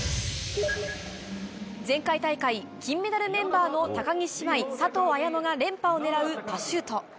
前回大会、金メダルメンバーの高木姉妹、佐藤綾乃が連覇をねらうパシュート。